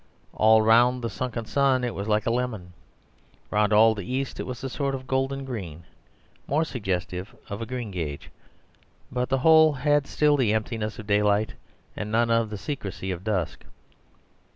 All around the sunken sun it was like a lemon; round all the east it was a sort of golden green, more suggestive of a greengage; but the whole had still the emptiness of daylight and none of the secrecy of dusk.